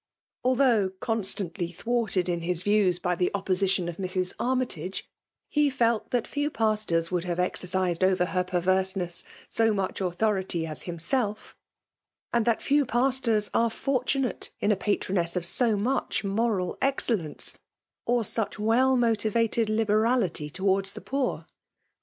Although constantly thwarted in his views by the opposition of Mrs. Armytagc, he felt that few pastors would have exercised over her perverseness so much authority afi lumBelf ; and that few pastors are fertunate in a patroness of so much moral excdlence, or rack weU motived liberality towards the poor.